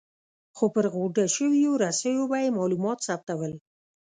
خو پر غوټه شویو رسیو به یې معلومات ثبتول.